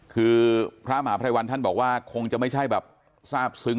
คือพระมหาภัยวันท่านบอกว่าคงจะไม่ใช่แบบทราบซึ้ง